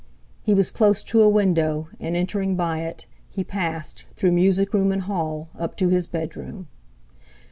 He was close to a window, and entering by it, he passed, through music room and hall, up to his bedroom.